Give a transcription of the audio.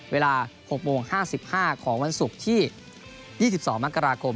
เวลา๖โมง๕๕ของวันศุกร์ที่๒๒มกราคม